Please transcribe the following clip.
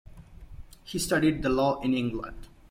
He studied the Law in England.